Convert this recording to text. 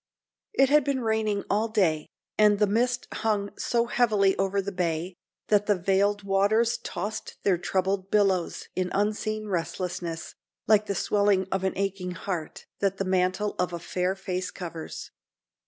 It had been raining all day, and the mist hung so heavily over the bay that the vailed waters tossed their troubled billows in unseen restlessness, like the swelling of an aching heart that the mantle of a fair face covers.